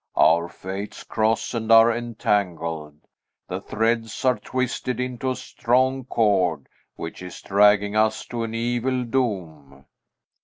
Our fates cross and are entangled. The threads are twisted into a strong cord, which is dragging us to an evil doom.